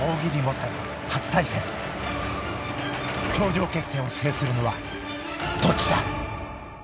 ［頂上決戦を制するのはどっちだ⁉］